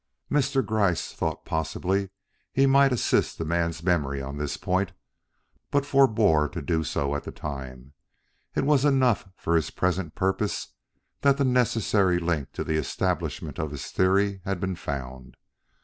Mr. Gryce thought possibly he might assist the man's memory on this point but forbore to do so at the time. It was enough for his present purpose that the necessary link to the establishment of his theory had been found.